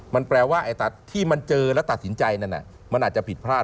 มันแปลว่าไอ้ตัดที่มันเจอแล้วตัดสินใจนั้นมันอาจจะผิดพลาด